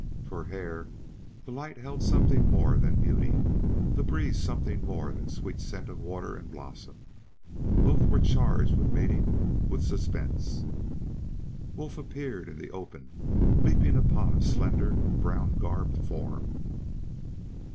For Hare the light held something more than beauty, the breeze something more than sweet scent of water and blossom. Both were charged with meaning with suspense. Wolf appeared in the open leaping upon a slender brown garbed form.